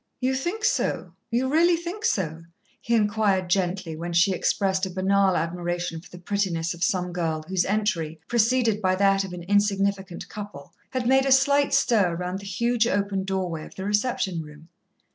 "You think so, you really think so?" he inquired gently, when she expressed a banale admiration for the prettiness of some girl whose entry, preceded by that of an insignificant couple, had made a slight stir round the huge open doorway of the reception room.